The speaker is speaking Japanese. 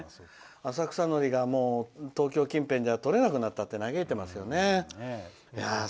浅草のりが東京近辺じゃとれなくなったって嘆いていますよね。